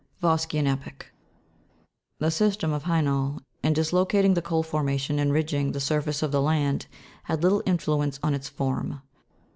Vosgean epoch. The system of Hainault, in dislocating the coal formation and ridging the surface of the land, had little in fluence on its form.